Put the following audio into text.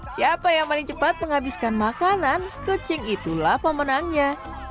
siapa yang paling cepat menghabiskan makanan kucing itulah pemenangnya